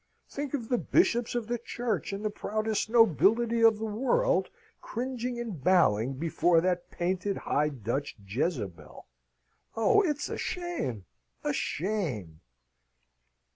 "Think of the bishops of the Church and the proudest nobility of the world cringing and bowing before that painted High Dutch Jezebel. Oh, it's a shame! a shame!"